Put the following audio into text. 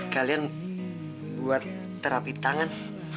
kalian buat terapi tangan